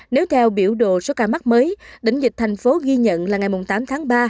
nếu theo biểu đồ số ca mắc mới đỉnh dịch thành phố ghi nhận là ngày tám tháng ba